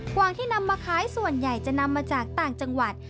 วางที่นำมาขายส่วนใหญ่จะนำมาจากต่างจังหวัด